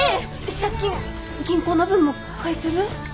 借金銀行の分も返せる？